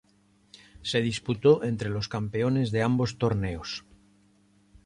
Se disputó entre los campeones de ambos torneos.